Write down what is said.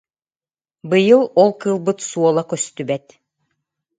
Быйыл ол кыылбыт суола көстү- бэт